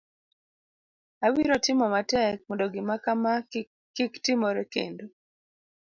abiro timo matek mondo gimakama kik timore kendo